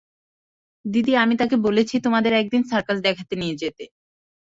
দিদি, আমি তাঁকে বলেছি তোমাদের একদিন সার্কাস দেখাতে নিয়ে যেতে।